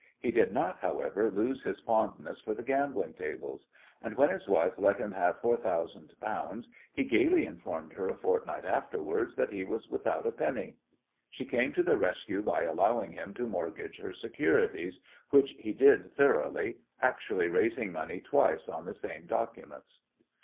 He did not, however, lose his fondness for the gaming tables, and when his wife let him have four thousand pounds he gaily informed her a fortnight afterwards that he was without a penny. She came to the rescue by allowing him to mortgage her securities, which he did thoroughly, actually raising money twice on the same documents.